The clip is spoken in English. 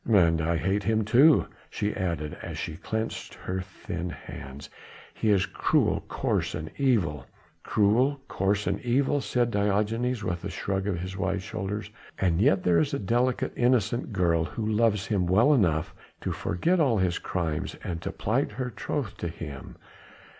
"And I hate him, too," she added, as she clenched her thin hands, "he is cruel, coarse and evil." "Cruel, coarse and evil?" said Diogenes with a shrug of his wide shoulders, "and yet there is a delicate, innocent girl who loves him well enough to forget all his crimes and to plight her troth to him.